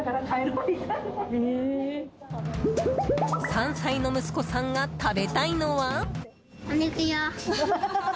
３歳の息子さんが食べたいのは？